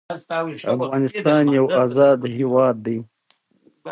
انګلیسیانو خپل پوځیان ښایي په عملیاتو لګیا شي.